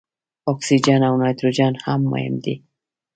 اکسیجن او نایتروجن هم مهم دي.